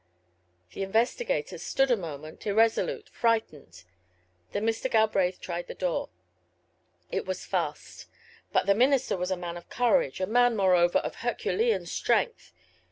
The investigators stood a moment, irresolute, frightened. Then Mr. Galbraith tried the door. It was fast. But the minister was a man of courage, a man, moreover, of Herculean strength.